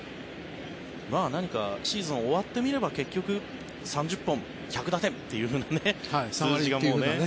何かシーズン終わってみれば結局、３０本１００打点という数字が、もうね。